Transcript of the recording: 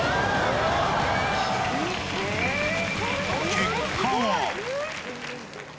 結果は。